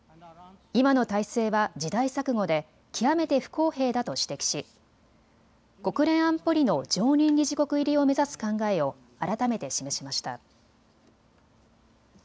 今の体制は時代錯誤で極めて不公平だと指摘し、国連安保理の常任理事国入りを目指す考えを改めて示しました。